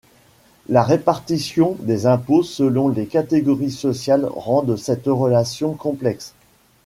La répartition des impôts selon les catégories sociales rendent cette relation complexe.